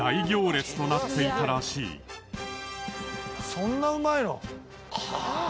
そんなうまいの？